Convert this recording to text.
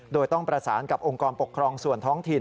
โดยต้องประสานกับองค์กรปกครองส่วนท้องถิ่น